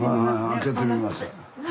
開けてみます。